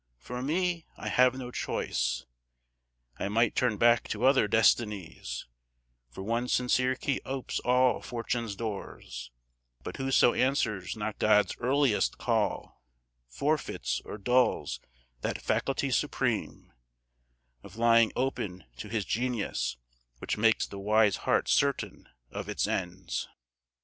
For me, I have no choice; I might turn back to other destinies, For one sincere key opes all Fortune's doors; But whoso answers not God's earliest call, Forfeits or dulls that faculty supreme Of lying open to his genius Which makes the wise heart certain of its ends.